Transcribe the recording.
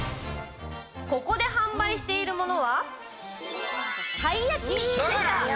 ここで販売しているものはたい焼きでした。